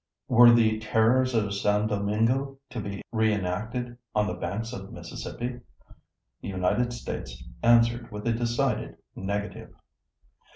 Were the terrors of San Domingo to be reenacted on the banks of Mississippi? The United States answered with a decided negative.